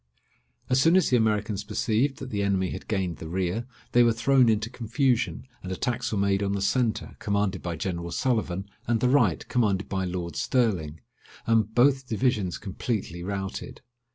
As soon as the Americans perceived that the enemy had gained the rear, they were thrown into confusion, and attacks were made on the centre, commanded by General Sullivan, and the right, commanded by Lord Stirling, and both divisions completely routed.